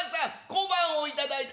小判を頂いた。